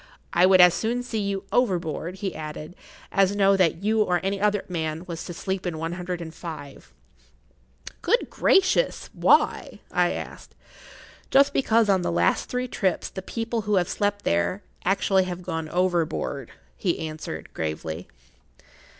I would as soon see you overboard," he added, "as know that you or any other man was to sleep in one hundred and five."[Pg 28] "Good gracious! Why?" I asked. "Just because on the last three trips the people who have slept there actually have gone overboard," he answered, gravely.